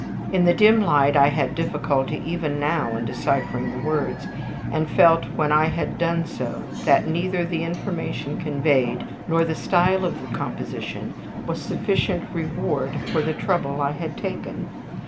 In the dim light I had difficulty even now in deciphering the words, and felt when I had done so that neither the information conveyed nor the style of the composition was sufficient reward for the trouble I had taken.